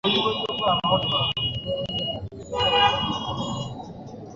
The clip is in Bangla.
তাকে কাঠিন্য মুক্ত করে দিলেন।